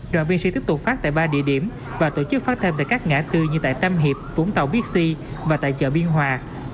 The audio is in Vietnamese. đoàn viên sẽ tiếp tục phát tại ba địa điểm và tổ chức phát thêm tại các ngã tư như tại tam hiệp vũng tàu bixi và tại chợ biên hòa